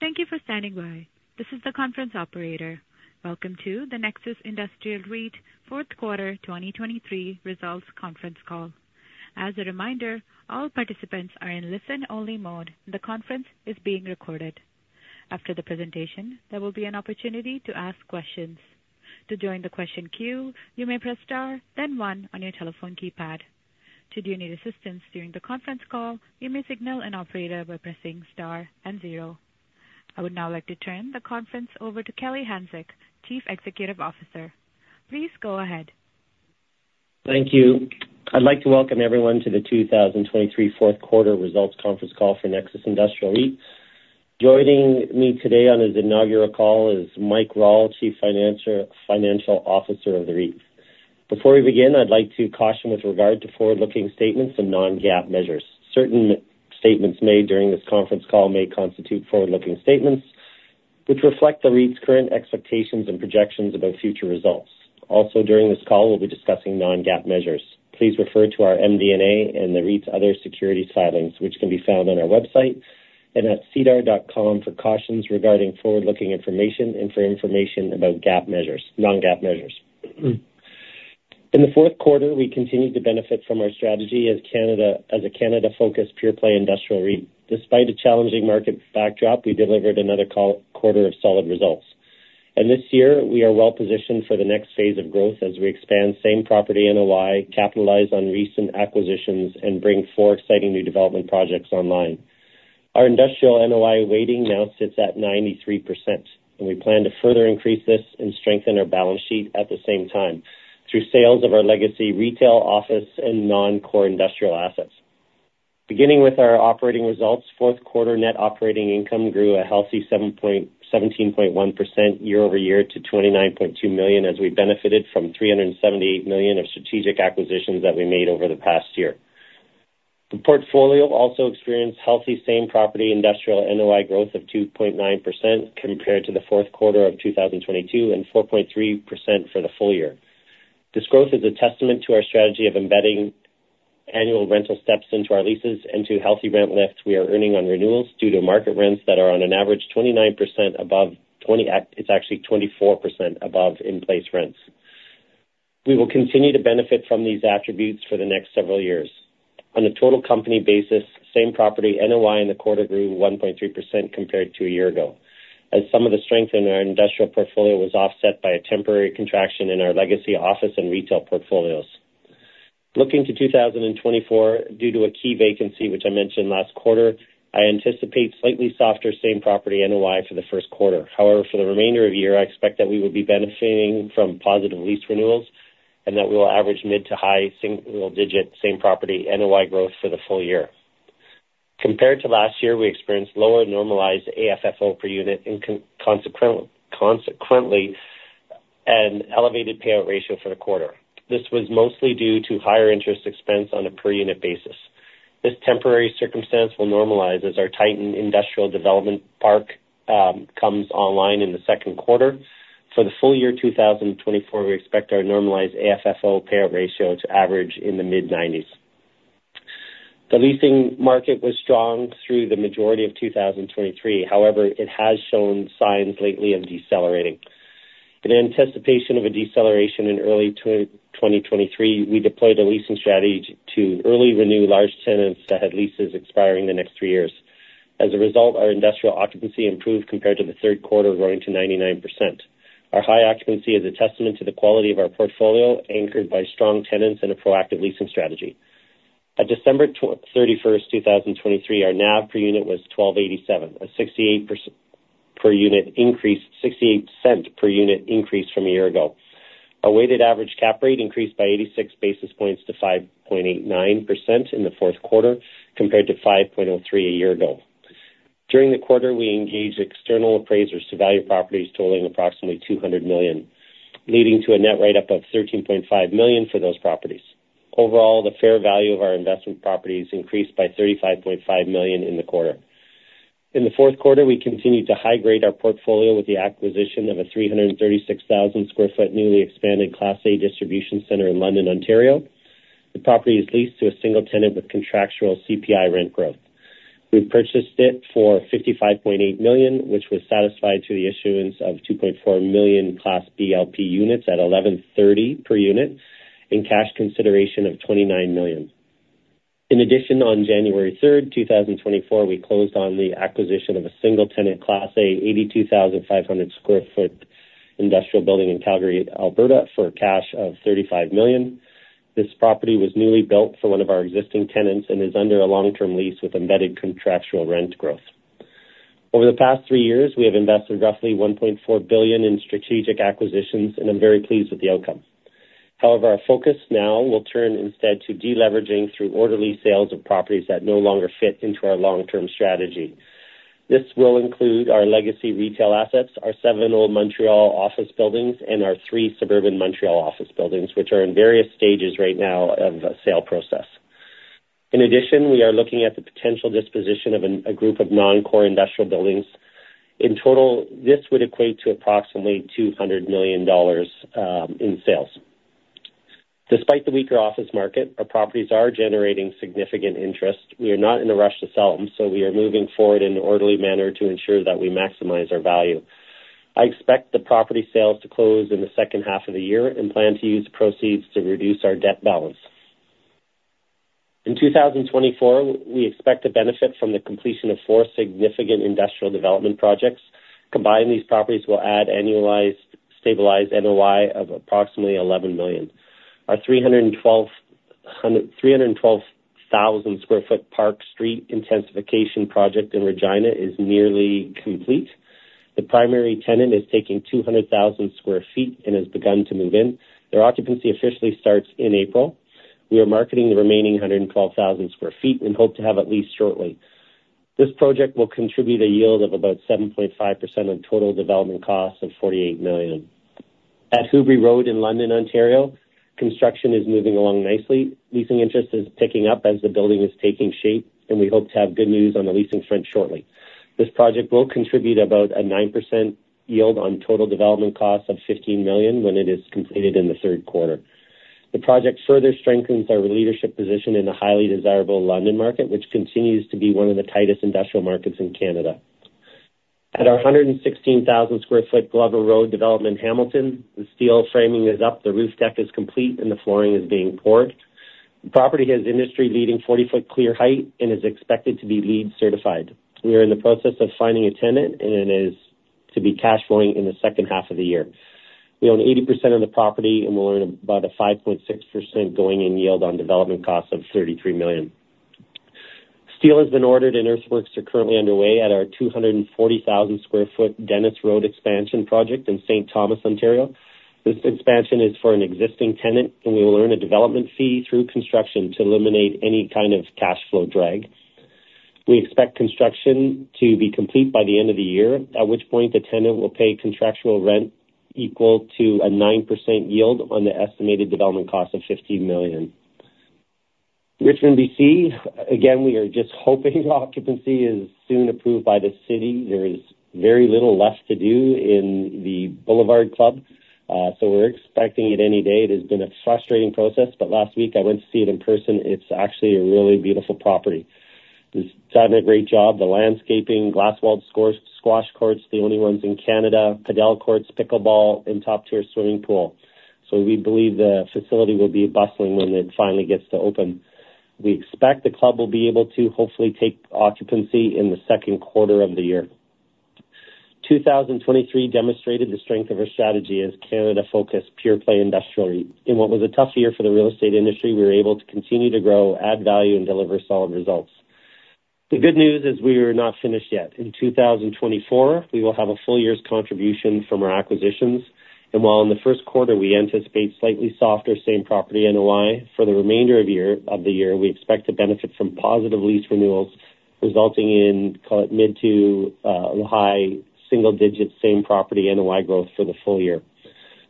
Thank you for standing by. This is the conference operator. Welcome to the Nexus Industrial REIT Fourth Quarter 2023 Results Conference Call. As a reminder, all participants are in listen-only mode, and the conference is being recorded. After the presentation, there will be an opportunity to ask questions. To join the question queue, you may press star, then one, on your telephone keypad. Should you need assistance during the conference call, you may signal an operator by pressing star and zero. I would now like to turn the conference over to Kelly Hanczyk, Chief Executive Officer. Please go ahead. Thank you. I'd like to welcome everyone to the 2023 Fourth Quarter Results Conference Call for Nexus Industrial REIT. Joining me today on this inaugural call is Mike Rawle, Chief Financial Officer of the REIT. Before we begin, I'd like to caution with regard to forward-looking statements and non-GAAP measures. Certain statements made during this conference call may constitute forward-looking statements which reflect the REIT's current expectations and projections about future results. Also, during this call, we'll be discussing non-GAAP measures. Please refer to our MD&A and the REIT's other securities filings, which can be found on our website and at sedar.com for cautions regarding forward-looking information and for information about non-GAAP measures. In the fourth quarter, we continued to benefit from our strategy as a Canada-focused pure-play industrial REIT. Despite a challenging market backdrop, we delivered another quarter of solid results. This year, we are well-positioned for the next phase of growth as we expand same property NOI, capitalize on recent acquisitions, and bring four exciting new development projects online. Our industrial NOI weighting now sits at 93%, and we plan to further increase this and strengthen our balance sheet at the same time through sales of our legacy retail office and non-core industrial assets. Beginning with our operating results, fourth quarter net operating income grew a healthy 17.1% year-over-year to 29.2 million as we benefited from 378 million of strategic acquisitions that we made over the past year. The portfolio also experienced healthy same-property industrial NOI growth of 2.9% compared to the fourth quarter of 2022 and 4.3% for the full year. This growth is a testament to our strategy of embedding annual rental steps into our leases and to healthy rent lifts we are earning on renewals due to market rents that are on an average 29% above. It's actually 24% above in-place rents. We will continue to benefit from these attributes for the next several years. On a total company basis, same property NOI in the quarter grew 1.3% compared to a year ago as some of the strength in our industrial portfolio was offset by a temporary contraction in our legacy office and retail portfolios. Looking to 2024, due to a key vacancy which I mentioned last quarter, I anticipate slightly softer same property NOI for the first quarter. However, for the remainder of year, I expect that we will be benefiting from positive lease renewals and that we will average mid- to high single-digit Same Property NOI growth for the full year. Compared to last year, we experienced lower normalized AFFO per unit and consequently an elevated payout ratio for the quarter. This was mostly due to higher interest expense on a per-unit basis. This temporary circumstance will normalize as our Titan Industrial Development Park comes online in the second quarter. For the full year 2024, we expect our normalized AFFO payout ratio to average in the mid-90s. The leasing market was strong through the majority of 2023. However, it has shown signs lately of decelerating. In anticipation of a deceleration in early 2023, we deployed a leasing strategy to early renew large tenants that had leases expiring the next three years. As a result, our industrial occupancy improved compared to the third quarter, growing to 99%. Our high occupancy is a testament to the quality of our portfolio anchored by strong tenants and a proactive leasing strategy. On December 31st, 2023, our NAV per unit was 12.87, a 0.68 per unit increase from a year ago. Our weighted average cap rate increased by 86 basis points to 5.89% in the fourth quarter compared to 5.03% a year ago. During the quarter, we engaged external appraisers to value properties totaling approximately 200 million, leading to a net write-up of 13.5 million for those properties. Overall, the fair value of our investment properties increased by 35.5 million in the quarter. In the fourth quarter, we continued to high-grade our portfolio with the acquisition of a 336,000 sq ft newly expanded Class A distribution center in London, Ontario. The property is leased to a single tenant with contractual CPI rent growth. We purchased it for 55.8 million, which was satisfied through the issuance of 2.4 million Class B LP units at 1,130 per unit and cash consideration of 29 million. In addition, on January 3rd, 2024, we closed on the acquisition of a single tenant Class A 82,500 sq ft industrial building in Calgary, Alberta, for cash of 35 million. This property was newly built for one of our existing tenants and is under a long-term lease with embedded contractual rent growth. Over the past three years, we have invested roughly 1.4 billion in strategic acquisitions, and I'm very pleased with the outcome. However, our focus now will turn instead to deleveraging through orderly sales of properties that no longer fit into our long-term strategy. This will include our legacy retail assets, our seven Old Montreal office buildings, and our three suburban Montreal office buildings, which are in various stages right now of sale process. In addition, we are looking at the potential disposition of a group of non-core industrial buildings. In total, this would equate to approximately 200 million dollars in sales. Despite the weaker office market, our properties are generating significant interest. We are not in a rush to sell them, so we are moving forward in an orderly manner to ensure that we maximize our value. I expect the property sales to close in the second half of the year and plan to use proceeds to reduce our debt balance. In 2024, we expect to benefit from the completion of 4 significant industrial development projects. Combining these properties will add annualized stabilized NOI of approximately 11 million. Our 312,000 sq ft Park Street intensification project in Regina is nearly complete. The primary tenant is taking 200,000 sq ft and has begun to move in. Their occupancy officially starts in April. We are marketing the remaining 112,000 sq ft and hope to have at least shortly. This project will contribute a yield of about 7.5% of total development costs of 48 million. At Hubrey Road in London, Ontario, construction is moving along nicely. Leasing interest is picking up as the building is taking shape, and we hope to have good news on the leasing front shortly. This project will contribute about a 9% yield on total development costs of 15 million when it is completed in the third quarter. The project further strengthens our leadership position in the highly desirable London market, which continues to be one of the tightest industrial markets in Canada. At our 116,000 sq ft Glover Road development in Hamilton, the steel framing is up, the roof deck is complete, and the flooring is being poured. The property has industry-leading 40-foot clear height and is expected to be LEED certified. We are in the process of finding a tenant, and it is to be cash-flowing in the second half of the year. We own 80% of the property, and we'll earn about a 5.6% going-in yield on development costs of 33 million. Steel has been ordered, and earthworks are currently underway at our 240,000 sq ft Dennis Road expansion project in St. Thomas, Ontario. This expansion is for an existing tenant, and we will earn a development fee through construction to eliminate any kind of cash flow drag. We expect construction to be complete by the end of the year, at which point the tenant will pay contractual rent equal to a 9% yield on the estimated development cost of 15 million. Richmond, BC, again, we are just hoping occupancy is soon approved by the city. There is very little left to do in the Boulevard Club, so we're expecting it any day. It has been a frustrating process, but last week I went to see it in person. It's actually a really beautiful property. They've done a great job. The landscaping, glass-walled squash courts, the only ones in Canada, padel courts, pickleball, and top-tier swimming pool. So we believe the facility will be bustling when it finally gets to open. We expect the club will be able to hopefully take occupancy in the second quarter of the year. 2023 demonstrated the strength of our strategy as Canada-focused pure-play industrial REIT. In what was a tough year for the real estate industry, we were able to continue to grow, add value, and deliver solid results. The good news is we are not finished yet. In 2024, we will have a full year's contribution from our acquisitions. While in the first quarter we anticipate slightly softer same-property NOI, for the remainder of the year, we expect to benefit from positive lease renewals resulting in, call it mid- to high-single-digit same-property NOI growth for the full year.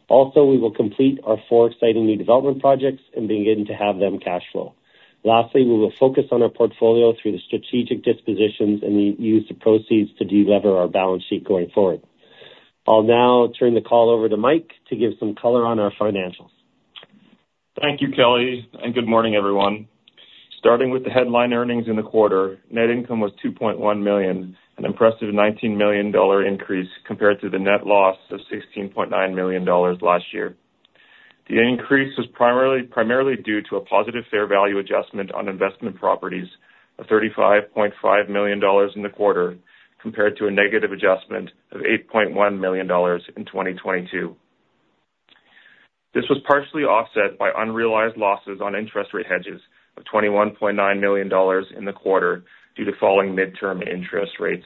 Also, we will complete our four exciting new development projects and begin to have them cash flow. Lastly, we will focus on our portfolio through the strategic dispositions and use the proceeds to delever our balance sheet going forward. I'll now turn the call over to Mike to give some color on our financials. Thank you, Kelly. Good morning, everyone. Starting with the headline earnings in the quarter, net income was 2.1 million, an impressive 19 million dollar increase compared to the net loss of 16.9 million dollars last year. The increase was primarily due to a positive fair value adjustment on investment properties of 35.5 million dollars in the quarter compared to a negative adjustment of 8.1 million dollars in 2022. This was partially offset by unrealized losses on interest rate hedges of 21.9 million dollars in the quarter due to falling midterm interest rates.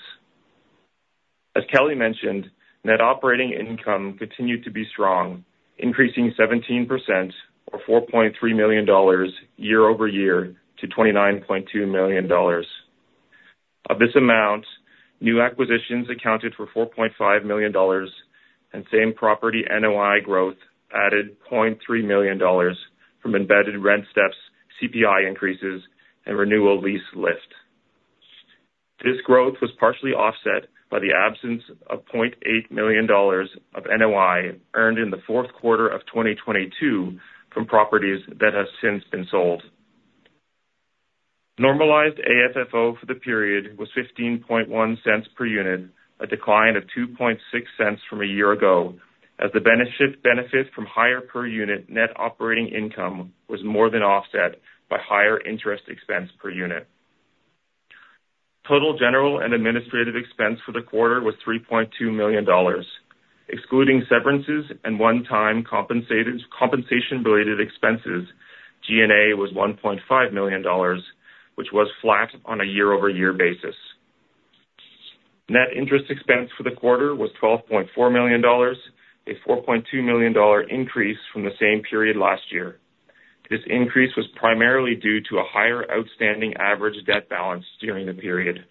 As Kelly mentioned, net operating income continued to be strong, increasing 17% or 4.3 million dollars year-over-year to 29.2 million dollars. Of this amount, new acquisitions accounted for 4.5 million dollars, and Same Property NOI growth added 300,000 dollars from embedded rent steps, CPI increases, and renewal lease lift. This growth was partially offset by the absence of 800,000 dollars of NOI earned in the fourth quarter of 2022 from properties that have since been sold. Normalized AFFO for the period was 0.151 per unit, a decline of 0.026 from a year ago as the benefit from higher per unit net operating income was more than offset by higher interest expense per unit. Total general and administrative expense for the quarter was 3.2 million dollars. Excluding severances and one-time compensation-related expenses, G&A was 1.5 million dollars, which was flat on a year-over-year basis. Net interest expense for the quarter was 12.4 million dollars, a 4.2 million dollar increase from the same period last year. This increase was primarily due to a higher outstanding average debt balance during the period.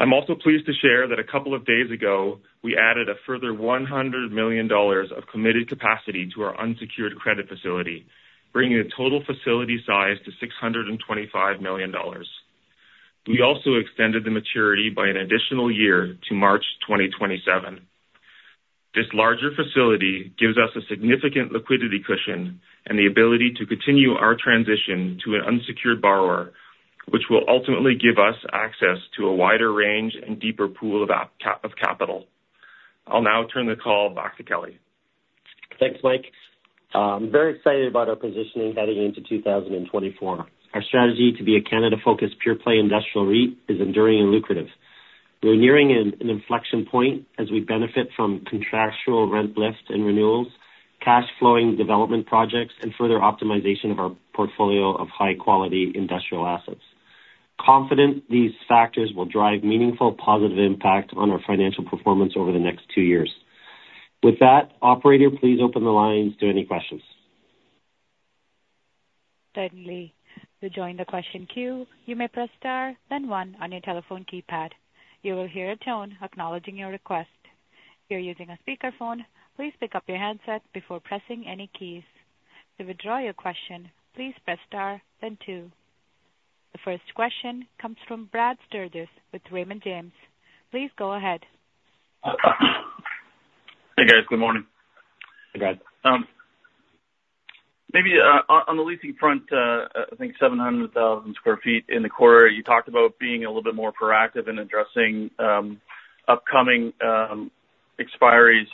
I'm also pleased to share that a couple of days ago, we added a further 100 million dollars of committed capacity to our unsecured credit facility, bringing the total facility size to 625 million dollars. We also extended the maturity by an additional year to March 2027. This larger facility gives us a significant liquidity cushion and the ability to continue our transition to an unsecured borrower, which will ultimately give us access to a wider range and deeper pool of capital. I'll now turn the call back to Kelly. Thanks, Mike. I'm very excited about our positioning heading into 2024. Our strategy to be a Canada-focused pure-play industrial REIT is enduring and lucrative. We're nearing an inflection point as we benefit from contractual rent lift and renewals, cash-flowing development projects, and further optimization of our portfolio of high-quality industrial assets. Confident these factors will drive meaningful positive impact on our financial performance over the next two years. With that, operator, please open the lines to any questions. Certainly. To join the question queue, you may press star, then one on your telephone keypad. You will hear a tone acknowledging your request. If you're using a speakerphone, please pick up your headset before pressing any keys. To withdraw your question, please press star, then two. The first question comes from Brad Sturges with Raymond James. Please go ahead. Hey, guys. Good morning. Hey, Brad. Maybe on the leasing front, I think 700,000 sq ft in the quarter, you talked about being a little bit more proactive in addressing upcoming expiries.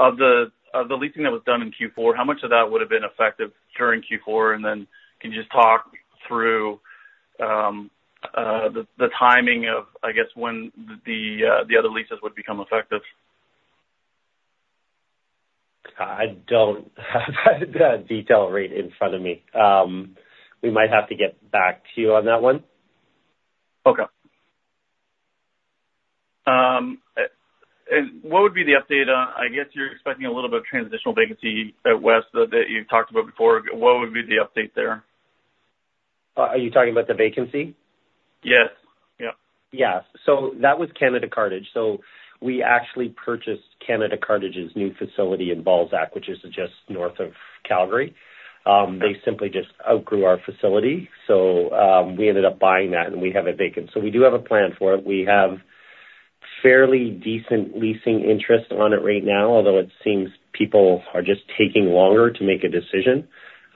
Of the leasing that was done in Q4, how much of that would have been effective during Q4? And then can you just talk through the timing of, I guess, when the other leases would become effective? I don't have that detailed rate in front of me. We might have to get back to you on that one. Okay. What would be the update on you're expecting a little bit of transitional vacancy at West that you talked about before? What would be the update there? Are you talking about the vacancy? Yes. Yeah. So that was Canada Cartage. So we actually purchased Canada Cartage's new facility in Balzac, which is just north of Calgary. They simply just outgrew our facility, so we ended up buying that, and we have it vacant. So we do have a plan for it. We have fairly decent leasing interest on it right now, although it seems people are just taking longer to make a decision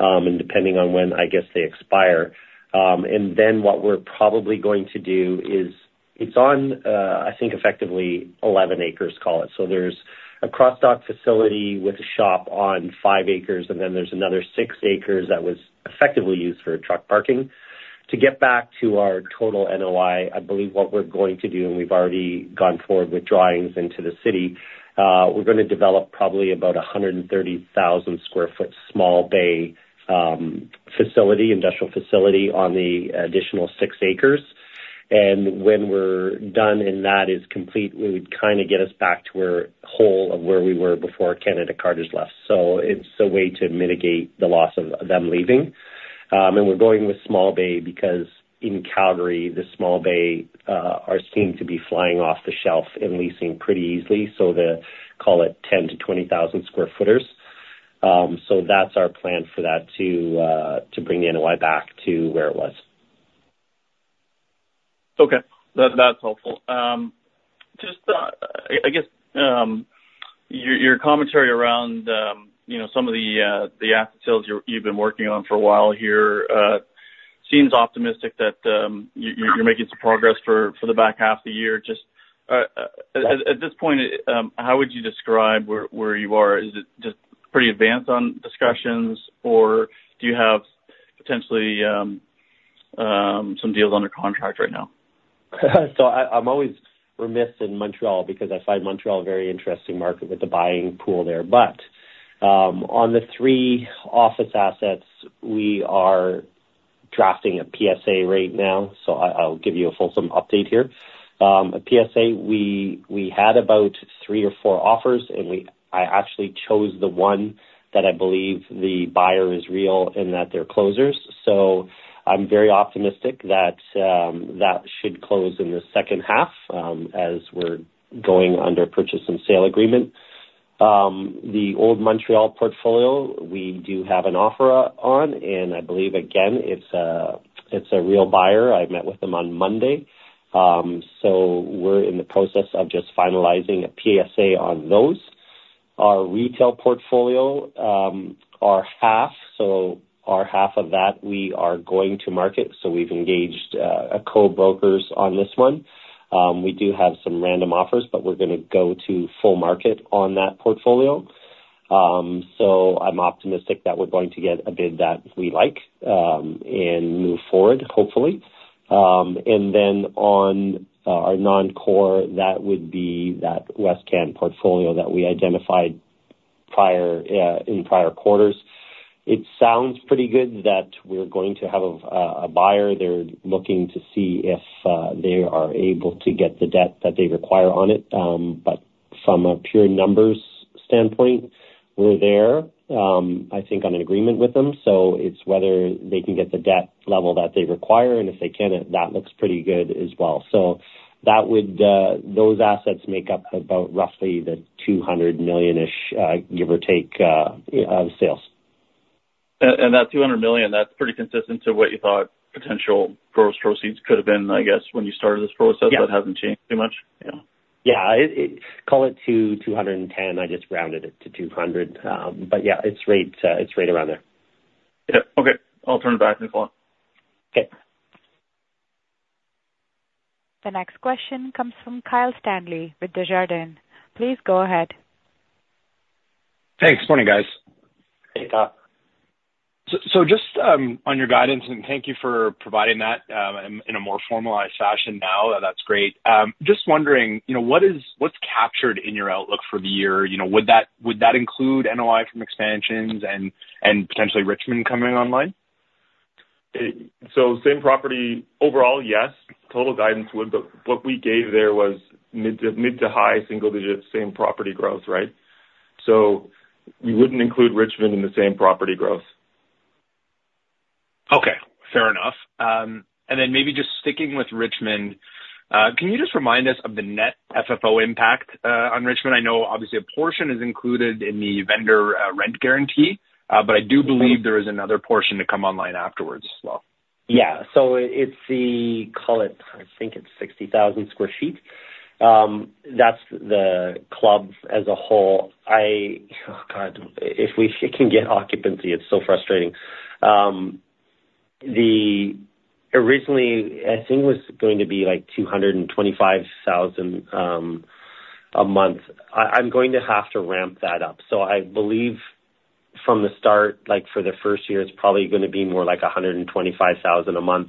and depending on when, I guess, they expire. And then what we're probably going to do is it's on, I think, effectively 11 acres, call it. So there's a crossdock facility with a shop on five acres, and then there's another six acres that was effectively used for truck parking. To get back to our total NOI, I believe what we're going to do, and we've already gone forward with drawings into the city, we're going to develop probably about 130,000 sq ft small bay facility, industrial facility on the additional six acres. When we're done and that is complete, it would kind of get us back to our hole of where we were before Canada Cartage left. It's a way to mitigate the loss of them leaving. We're going with small bay because in Calgary, the small bay are seeming to be flying off the shelf in leasing pretty easily. Call it 10,000-20,000 sq ft. That's our plan for that, to bring the NOI back to where it was. Okay. That's helpful. I guess your commentary around some of the assets you've been working on for a while here seems optimistic that you're making some progress for the back half of the year. Just at this point, how would you describe where you are? Is it just pretty advanced on discussions, or do you have potentially some deals under contract right now? So I'm always remiss in Montreal because I find Montreal a very interesting market with the buying pool there. But on the three office assets, we are drafting a PSA right now. So I'll give you a fulsome update here. A PSA, we had about three or four offers, and I actually chose the one that I believe the buyer is real in that they're closers. So I'm very optimistic that that should close in the second half as we're going under purchase and sale agreement. The Old Montreal portfolio, we do have an offer on, and I believe, again, it's a real buyer. I met with them on Monday. So we're in the process of just finalizing a PSA on those. Our retail portfolio, our half, so our half of that, we are going to market. So we've engaged a co-brokers on this one. We do have some random offers, but we're going to go to full market on that portfolio. So I'm optimistic that we're going to get a bid that we like and move forward, hopefully. And then on our non-core, that would be that West Can portfolio that we identified in prior quarters. It sounds pretty good that we're going to have a buyer. They're looking to see if they are able to get the debt that they require on it. But from a pure numbers standpoint, we're there on an agreement with them. So it's whether they can get the debt level that they require, and if they can, that looks pretty good as well. So those assets make up about roughly 200 million-ish, give or take, of sales. And that 200 million, that's pretty consistent to what you thought potential gross proceeds could have been when you started this process. That hasn't changed too much. Yeah. Call it 210. I just rounded it to 200. But yeah, it's right around there. Yeah. Okay. I'll turn it back to the call. Okay. The next question comes from Kyle Stanley with Desjardins. Please go ahead. Hey. Good morning, guys. Hey, Kyle. Just on your guidance, and thank you for providing that in a more formalized fashion now. That's great. Just wondering, what's captured in your outlook for the year? Would that include NOI from expansions and potentially Richmond coming online? So same property overall, yes. Total guidance would, but what we gave there was mid to high single-digit same property growth, right? So we wouldn't include Richmond in the same property growth. Okay. Fair enough. And then maybe just sticking with Richmond, can you just remind us of the net FFO impact on Richmond? I know, obviously, a portion is included in the vendor rent guarantee, but I do believe there is another portion to come online afterwards as well. So it's, call it, I think it's 60,000 sq ft. That's the club as a whole. Oh God. If we can get occupancy, it's so frustrating. Originally, I think it was going to be like 225,000 a month. I'm going to have to ramp that up. So I believe from the start, for the first year, it's probably going to be more like 125,000 a month,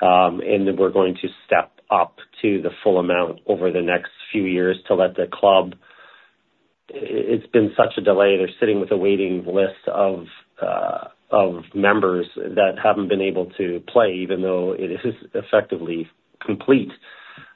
and then we're going to step up to the full amount over the next few years to let the club, it's been such a delay. They're sitting with a waiting list of members that haven't been able to play, even though it is effectively complete.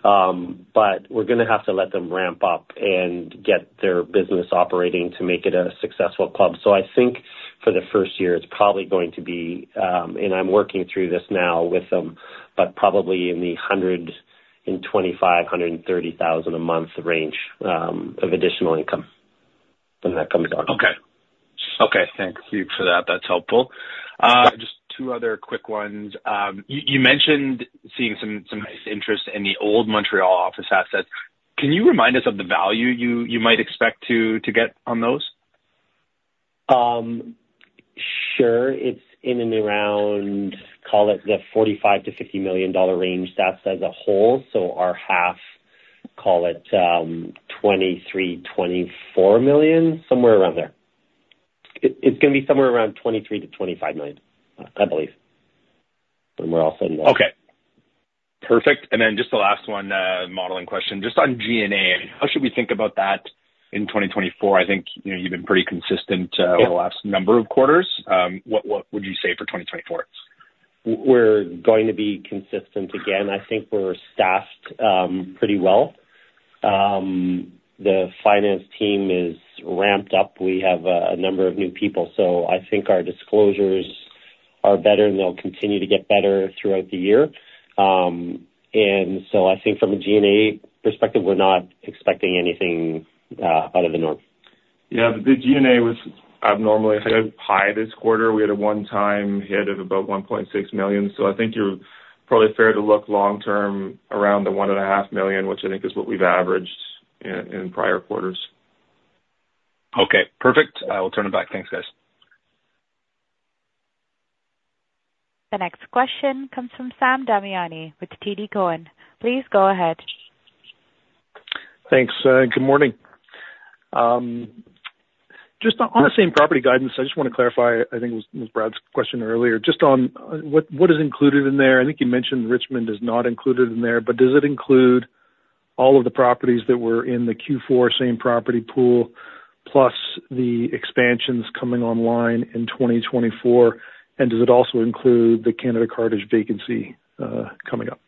But we're going to have to let them ramp up and get their business operating to make it a successful club. I think for the first year, it's probably going to be, and I'm working through this now with them, but probably in the 125,000 to 130,000 a month range of additional income when that comes on. Okay. Thank you for that. That's helpful. Just two other quick ones. You mentioned seeing some nice interest in the Old Montreal office assets. Can you remind us of the value you might expect to get on those? Sure. It's in and around call it the 45 million to 50 million dollar range asset as a whole. So our half, call it 23 million to 24 million, somewhere around there. It's going to be somewhere around 23 million to 25 million, I believe, when we're all said and done. Okay. Perfect. And then just the last one, a modeling question. Just on G&A, how should we think about that in 2024? I think you've been pretty consistent over the last number of quarters. What would you say for 2024? We're going to be consistent again. I think we're staffed pretty well. The finance team is ramped up. We have a number of new people. So I think our disclosures are better, and they'll continue to get better throughout the year. And so I think from a G&A perspective, we're not expecting anything out of the norm. Yeah. The G&A was abnormally high this quarter. We had a one-time hit of about 1.6 million. So I think you're probably fair to look long-term around the 1.5 million, which I think is what we've averaged in prior quarters. Okay. Perfect. I will turn it back. Thanks, guys. The next question comes from Sam Damiani with TD Cowen. Please go ahead. Thanks. Good morning. Just on the same property guidance, I just want to clarify. I think it was Brad's question earlier. Just on what is included in there, I think you mentioned Richmond is not included in there, but does it include all of the properties that were in the Q4 same property pool plus the expansions coming online in 2024? And does it also include the Canada Cartage vacancy coming up?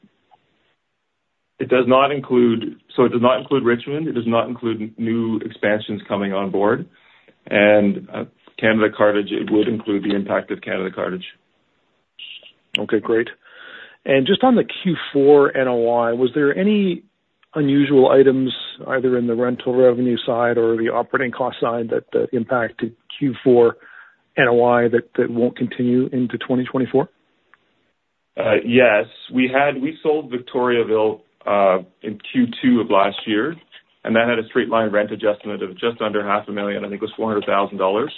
It does not include. So it does not include Richmond. It does not include new expansions coming on board. And Canada Cartage, it would include the impact of Canada Cartage. Okay. Great. Just on the Q4 NOI, was there any unusual items either in the rental revenue side or the operating cost side that impacted Q4 NOI that won't continue into 2024? Yes. We sold Victoriaville in Q2 of last year, and that had a straight-line rent adjustment of just under 500,000. I think it was 400,000 dollars.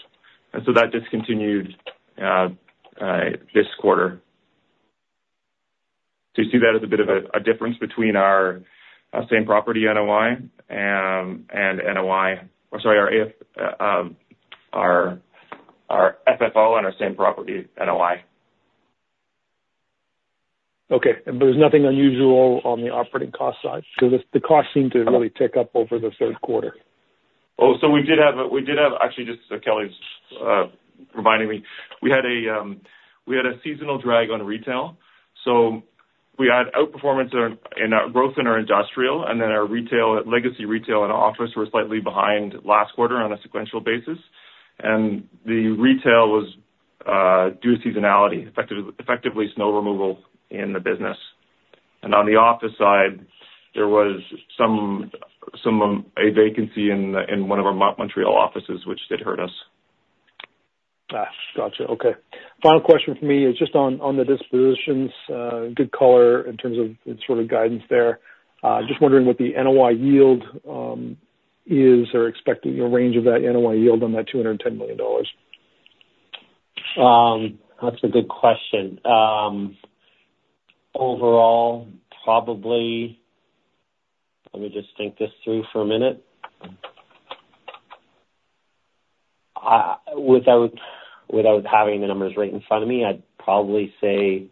And so that discontinued this quarter. So you see that as a bit of a difference between our same property NOI and our FFO and our same property NOI. Okay. But there's nothing unusual on the operating cost side because the costs seem to really tick up over the third quarter. Oh, so we did have actually, just Kelly's reminding me. We had a seasonal drag on retail. So we had outperformance in our growth in our industrial, and then our legacy retail and office were slightly behind last quarter on a sequential basis. And the retail was due to seasonality, effectively snow removal in the business. And on the office side, there was a vacancy in one of our Montreal offices, which did hurt us. Gotcha. Okay. Final question for me is just on the dispositions. Good color in terms of sort of guidance there. Just wondering what the NOI yield is or expected range of that NOI yield on that CAD 210 million. That's a good question. Overall, probably let me just think this through for a minute. Without having the numbers right in front of me, I'd probably say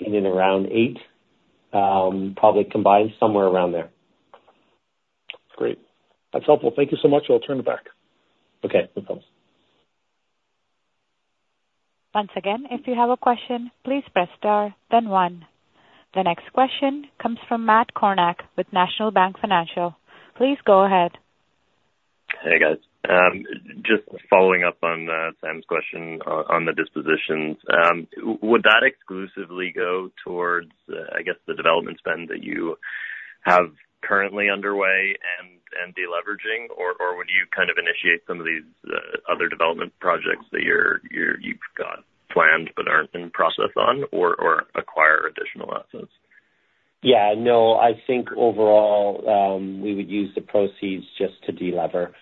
in and around eight, probably combined somewhere around there. Great. That's helpful. Thank you so much. I'll turn it back. Okay. No problem. Once again, if you have a question, please press star, then one. The next question comes from Matt Kornack with National Bank Financial. Please go ahead. Hey, guys. Just following up on Sam's question on the dispositions, would that exclusively go towards, I guess, the development spend that you have currently underway and deleveraging, or would you kind of initiate some of these other development projects that you've got planned but aren't in process on or acquire additional assets? Yeah. No. I think overall, we would use the proceeds just to delever.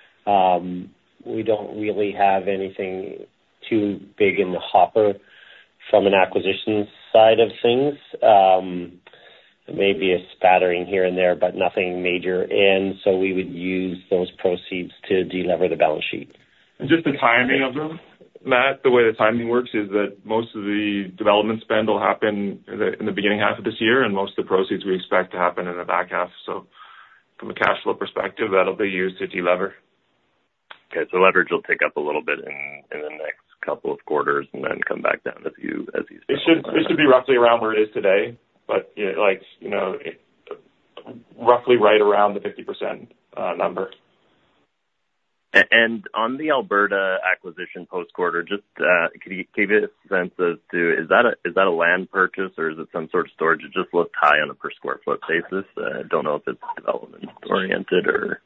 We don't really have anything too big in the hopper from an acquisitions side of things. Maybe a spattering here and there, but nothing major. And so we would use those proceeds to delever the balance sheet. Just the timing of them, Matt, the way the timing works is that most of the development spend will happen in the beginning half of this year, and most of the proceeds we expect to happen in the back half. From a cash flow perspective, that'll be used to delever. Okay. So leverage will take up a little bit in the next couple of quarters and then come back down as you spend. It should be roughly around where it is today, but roughly right around the 50% number. On the Alberta acquisition post-quarter, just give you a sense as to is that a land purchase, or is it some sort of storage? It just looked high on a per-square-foot basis. I don't know if it's development-oriented or.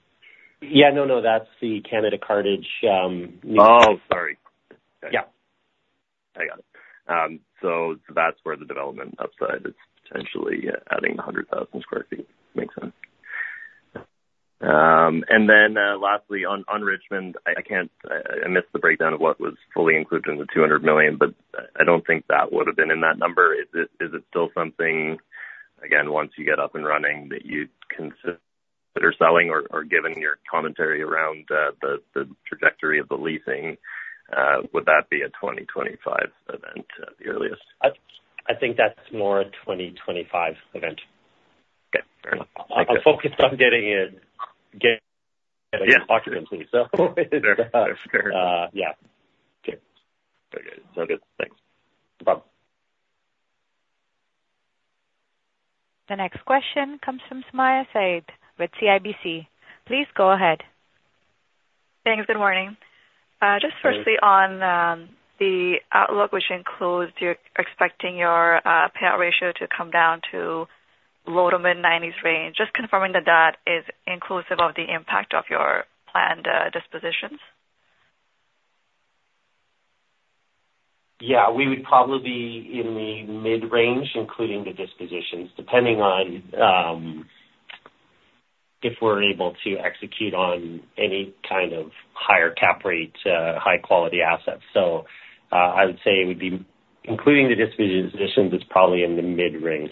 Yeah. No. That's the Canada Cartage new. Oh, sorry. I got it. So that's where the development upside is, potentially adding the 100,000 sq ft. Makes sense. And then lastly, on Richmond, I missed the breakdown of what was fully included in the 200 million, but I don't think that would have been in that number. Is it still something, again, once you get up and running that you'd consider selling or given your commentary around the trajectory of the leasing? Would that be a 2025 event at the earliest? I think that's more a 2025 event. Okay. Fair enough. I'll focus on getting a document, please. Sure. Sure. Yeah. Okay. Sounds good. Thanks. No problem. The next question comes from Sumayya Syed with CIBC. Please go ahead. Thanks. Good morning. Just firstly, on the outlook, which includes expecting your payout ratio to come down to the low-to-mid-90s range, just confirming that that is inclusive of the impact of your planned dispositions. Yeah. We would probably be in the mid-range, including the dispositions, depending on if we're able to execute on any kind of higher cap rate, high-quality assets. So I would say it would be including the dispositions, it's probably in the mid-range.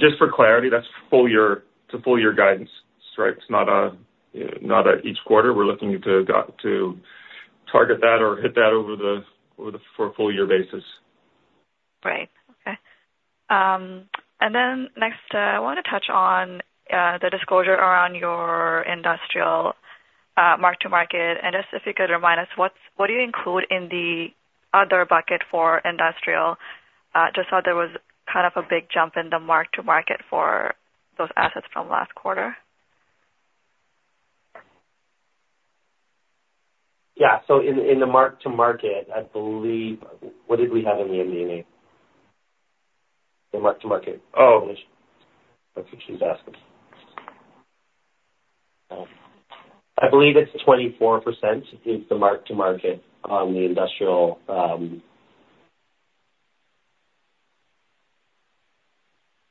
Just for clarity, that's full-year guidance, right? It's not each quarter. We're looking to target that or hit that over the full-year basis. Right. Okay. And then next, I want to touch on the disclosure around your industrial mark-to-market. And just if you could remind us, what do you include in the other bucket for industrial? Just thought there was kind of a big jump in the mark-to-market for those assets from last quarter. Yeah. So in the mark-to-market, I believe what did we have in the MD&A? The mark-to-market. That's what she's asking. I believe it's 24% is the mark-to-market on the industrial.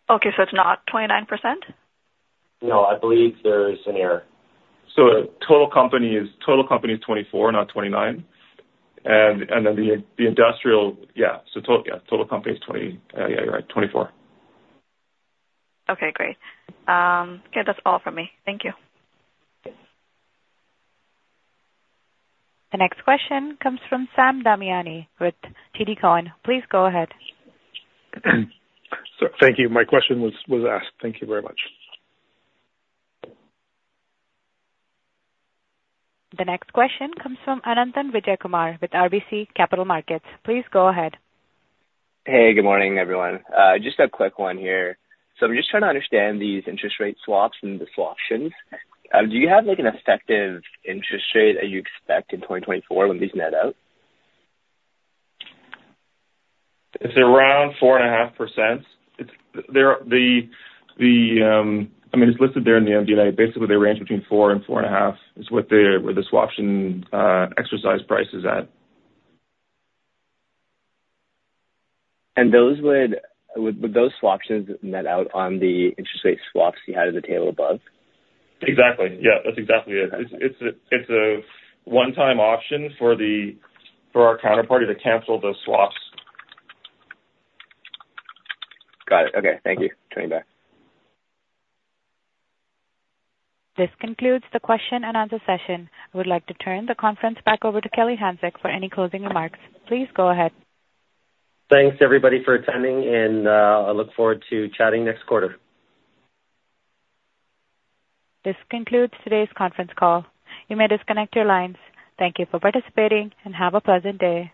Okay. So it's not 29%? No. I believe there's an error. So total company is 24%, not 29%. And then the industrial. Total company is 20%. You're right. 24%. Okay. Great. Okay. That's all from me. Thank you. The next question comes from Sam Damiani with TD Cowen. Please go ahead. Thank you. My question was asked. Thank you very much. The next question comes from Ananthan Vijayakumar with RBC Capital Markets. Please go ahead. Hey. Good morning, everyone. Just a quick one here. So I'm just trying to understand these interest rate swaps and the swaptions. Do you have an effective interest rate that you expect in 2024 when these net out? It's around 4.5%. I mean, it's listed there in the MD&A. Basically, they range between 4%-4.5% is what the swaption exercise price is at. Would those swap options net out on the interest rate swaps you had in the table above? Exactly. Yeah. That's exactly it. It's a one-time option for our counterparty to cancel those swaps. Got it. Okay. Thank you. Turning back. This concludes the question-and-answer session. I would like to turn the conference back over to Kelly Hanczyk for any closing remarks. Please go ahead. Thanks, everybody, for attending, and I look forward to chatting next quarter. This concludes today's conference call. You may disconnect your lines. Thank you for participating, and have a pleasant day.